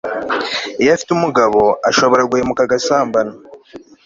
iyo afite umugabo, ashobora guhemuka agasambana